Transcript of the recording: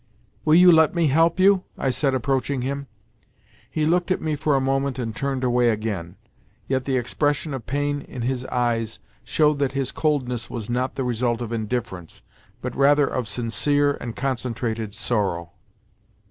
"Will you let me help you?" I said, approaching him. He looked at me for a moment and turned away again. Yet the expression of pain in his eyes showed that his coldness was not the result of indifference, but rather of sincere and concentrated sorrow.